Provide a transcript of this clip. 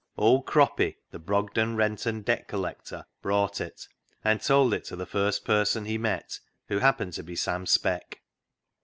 Old Croppy, the Brogden rent and debt col lector, brought it, and told it to the first person he met, who happened to be Sam Speck.